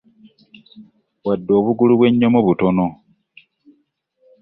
Wadde obugulu bw'enyommo butono .